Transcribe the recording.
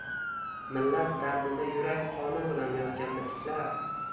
millat dardida yurak qoni bilan yozgan bitiklar